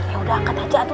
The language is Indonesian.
ya udah angkat aja tuh